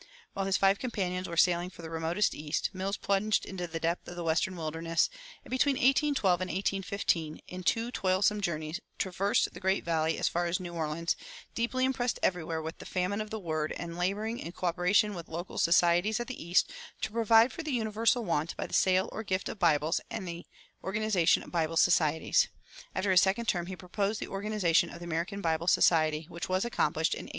[256:1] While his five companions were sailing for the remotest East, Mills plunged into the depth of the western wilderness, and between 1812 and 1815, in two toilsome journeys, traversed the Great Valley as far as New Orleans, deeply impressed everywhere with the famine of the word, and laboring, in coöperation with local societies at the East, to provide for the universal want by the sale or gift of Bibles and the organization of Bible societies. After his second return he proposed the organization of the American Bible Society, which was accomplished in 1816.